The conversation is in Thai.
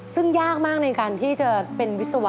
ซึ่งยากมากในการที่จะเป็นวิศวะ